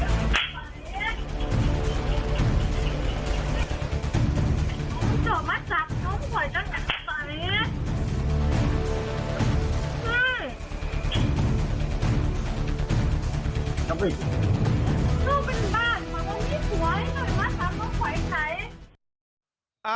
มานี่บ้างยังไงฟ้วยทำไมมาจับแล้วก็ไขวใช้